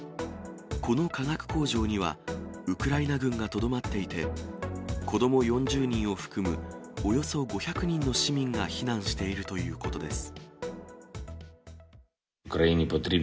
この化学工場には、ウクライナ軍がとどまっていて、子ども４０人を含む、およそ５００人の市民が避難しているということです。